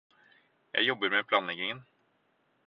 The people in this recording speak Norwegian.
Jeg jobber med planleggingen